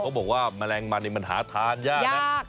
เขาบอกว่าแมลงมันมันหาทานยากนะ